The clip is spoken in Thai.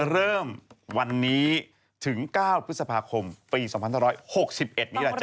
เริ่มวันนี้ถึง๙พฤษภาคมปี๒๕๖๑นี้ล่ะจ๊